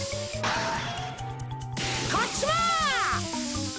こっちも！